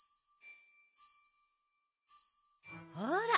ほら。